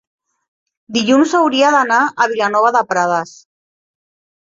dilluns hauria d'anar a Vilanova de Prades.